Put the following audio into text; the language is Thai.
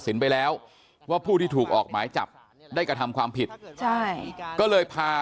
ไปแล้วว่าผู้ที่ถูกออกหมายจับได้กระทำความผิดใช่ก็เลยพา